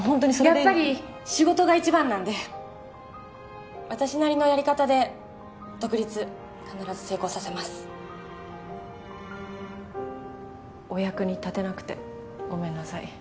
やっぱり仕事が一番なんで私なりのやり方で独立必ず成功させますお役に立てなくてごめんなさ